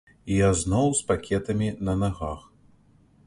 І я зноў з пакетамі на нагах.